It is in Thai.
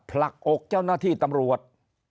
ผลักอกเจ้าหน้าที่ตำรวจ